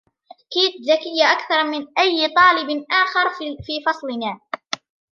كيت ذكية أكثر من أي طالب آخر في فصلنا.